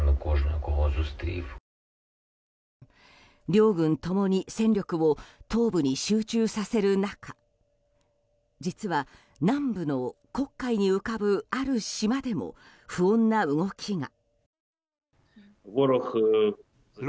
両軍共に戦力を東部に集中させる中実は南部の黒海に浮かぶある島でも不穏な動きが。